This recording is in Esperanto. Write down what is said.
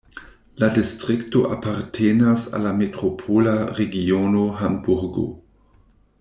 La distrikto apartenas al la metropola regiono Hamburgo.